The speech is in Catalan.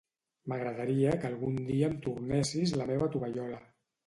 M'agradaria que algun dia em tornessis la meva tovallola.